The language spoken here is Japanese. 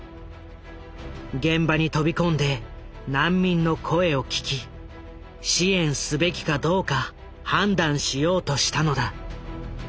現場に飛び込んで難民の声を聞き支援すべきかどうか判断しようとしたのだ。